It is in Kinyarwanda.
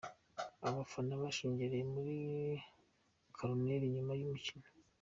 Abafana bashungereye muri koruneri nyuma y'umukino.